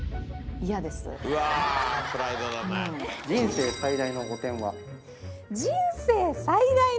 人生最大の汚点？